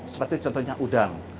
seperti contohnya udang